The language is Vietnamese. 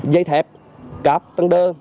dây thẹp cáp tân đơ